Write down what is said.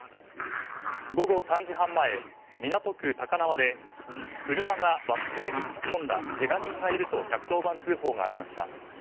午後３時半前、港区高輪で車がバス停に突っ込んだけが人がいると１１０番通報がありました。